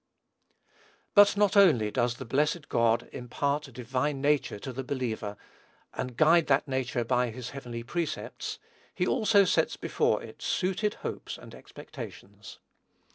But not only does the blessed God impart a divine nature to the believer, and guide that nature by his heavenly precepts, he also sets before it suited hopes and expectations.